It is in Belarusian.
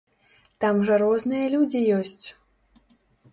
Там жа розныя людзі ёсць.